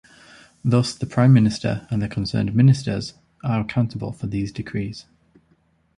Thus the prime minister and the concerned ministers are accountable for these decrees.